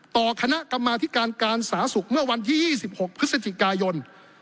คณะกรรมาธิการการสาธารณสุขเมื่อวันที่๒๖พฤศจิกายน